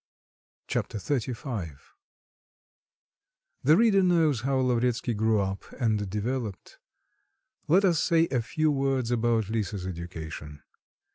Chapter XXXV The reader knows how Lavretsky grew up and developed. Let us say a few words about Lisa's education.